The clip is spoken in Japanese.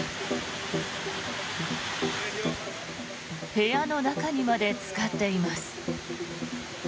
部屋の中にまでつかっています。